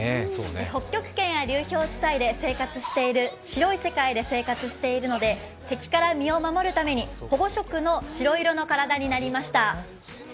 北極圏や流氷地帯の白い地帯で生活しているので敵から身を守るために保護色の白色の体になりました。